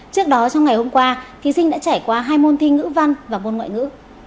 trước đó trong ngày hôm qua thí sinh đã trải qua hai môn thi ngữ văn và môn ngoại ngữ